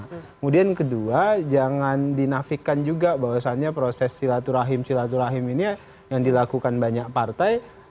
kemudian kedua jangan dinafikan juga bahwasannya proses silaturahim silaturahim ini yang dilakukan banyak partai